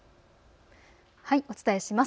お伝えします。